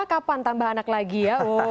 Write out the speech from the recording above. kapan tambah anak lagi ya